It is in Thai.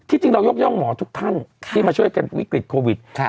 จริงเรายกย่องหมอทุกท่านที่มาช่วยกันวิกฤตโควิด